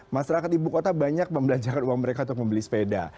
masyarakat ibu kota banyak membelanjakan uang mereka untuk membeli sepeda